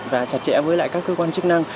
và chặt chẽ với các cơ quan chức năng